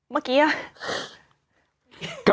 เมื่อกี้อะ